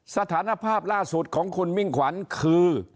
สถานภาพล่าสุดของคุณมิ่งขวัญคือ